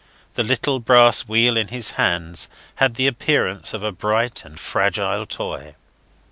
The little brass wheel in his hands had the appearance of a bright and fragile toy.